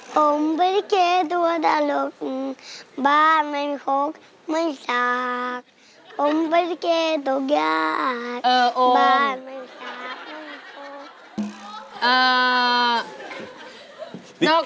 ผมเป็นลิเกตัวตลกบ้านไม่มีครบไม่มีสากผมเป็นลิเกตกยากบ้านไม่มีสากไม่มีครบ